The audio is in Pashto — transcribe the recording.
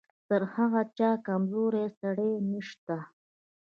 تر هغه چا کمزوری سړی نشته.